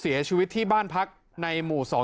เสียชีวิตที่บ้านพักในหมู่๒